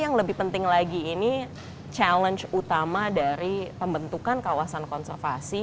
yang lebih penting lagi ini challenge utama dari pembentukan kawasan konservasi